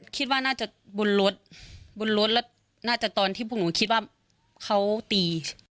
คิดว่าน่าจะบนรถบนรถน่าจะตอนที่บุญคิดว่าเขาตี